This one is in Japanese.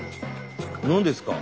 何ですか？